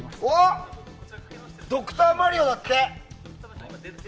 「ドクターマリオ」だって！